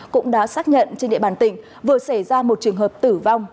cũng đã xác nhận trên địa bàn tỉnh vừa xảy ra một trường hợp tử vong